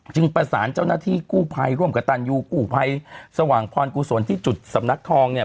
ประสานเจ้าหน้าที่กู้ภัยร่วมกับตันยูกู้ภัยสว่างพรกุศลที่จุดสำนักทองเนี่ย